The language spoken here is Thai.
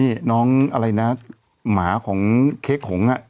นี่น้องอะไรนะหมาของเคคหง